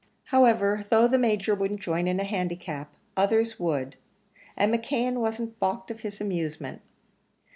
However, though the Major wouldn't join in a handicap, others would and McKeon wasn't baulked of his amusement.